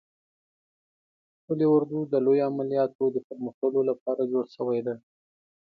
قول اردو د لوی عملیاتو د پرمخ وړلو لپاره جوړ شوی دی.